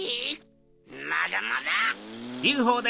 まだまだ！